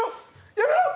やめろっ！